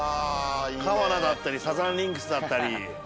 川奈だったりサザンリンクスだったり。